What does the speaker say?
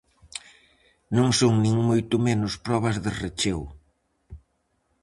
Non son nin moito menos probas de recheo.